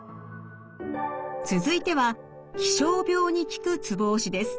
続いては気象病に効くツボ押しです。